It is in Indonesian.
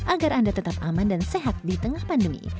agar anda tetap aman dan sehat di tengah pandemi